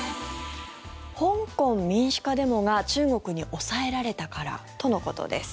香港民主化デモが中国に抑えられたからとのことです。